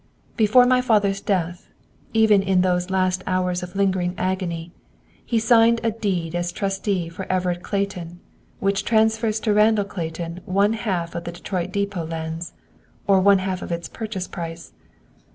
"Before my father's death, even in those last hours of lingering agony, he signed a deed as trustee for Everett Clayton, which transfers to Randall Clayton one half of the Detroit Depot lands, or one half of its purchase price.